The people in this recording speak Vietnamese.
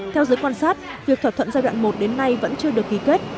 theo giới quan sát việc thỏa thuận giai đoạn một đến nay vẫn chưa được ký kết